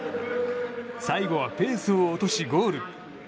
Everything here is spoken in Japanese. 最後はペースを落とし、ゴール。